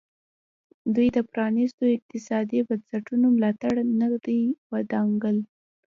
دوی د پرانیستو اقتصادي بنسټونو ملاتړ ته نه ودانګل.